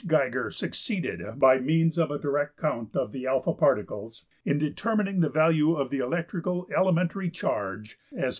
~Geiger(19) succeeded, by means of a direct count of the $\alpha$ particles, in determining the value of the electrical elementary charge as $4.